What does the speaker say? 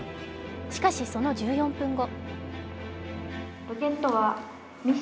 しかし、その１４分後。